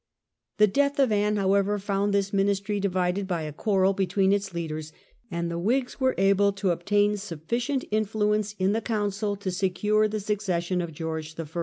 The death of Anne, however, found this ministry divided by a quarrel between its leaders, and the Whigs were able to obtain sufficient influence in the council to secure the succession of George I.